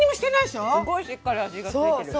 すごいしっかり味が付いてる。